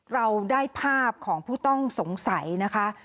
เราได้ภาพของผู้ต้องสงสัยนะคะ